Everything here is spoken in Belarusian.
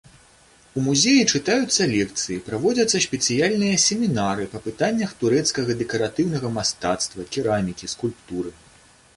У музеі чытаюцца лекцыі, праводзяцца спецыяльныя семінары па пытаннях турэцкага дэкаратыўнага мастацтва, керамікі, скульптуры.